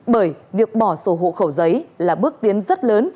bởi việc bỏ sổ hộ khẩu giấy là bước tiến rất lớn